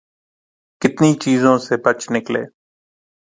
کتنی چیزوں سے بچ نکلے۔